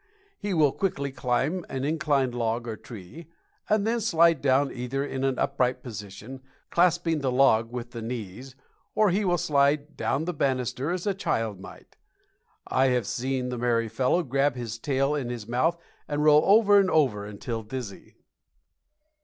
He will quickly climb an inclined log or tree, and then slide down either in an upright position, clasping the log with the knees, or he will slide "down the banister" as a child might. I have seen the merry fellow grab his tail in his mouth and roll over and over until dizzy.